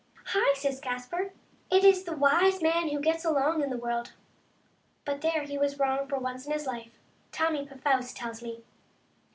" Hi!" says Caspar, " it is the wise man who gets along in the world." But there he was wrong for once in his life, Tommy Pfouce tells me.